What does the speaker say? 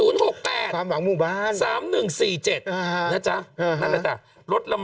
นะจ๊ะนั่นละจ๊ะ